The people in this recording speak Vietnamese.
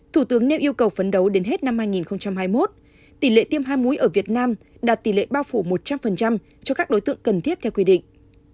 thủ tướng nêu yêu cầu phấn đấu đến hết năm hai nghìn hai mươi một tỷ lệ tiêm hai mũi ở việt nam đạt tỷ lệ bao phủ một trăm linh cho các đối tượng cần thiết theo quy định